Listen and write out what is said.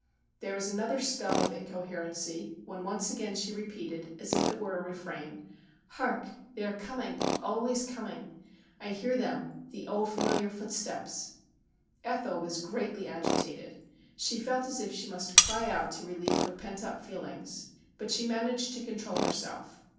There was another spell of incoherency, when once again she repeated, as if it were a refrain :' Hark ! They are coming — always coming. I hear them ; the old familiar footsteps.' Ethel was greatly agitated. She felt as if she must cry out to relieve her pent up feelings, but she managed to con trol herself.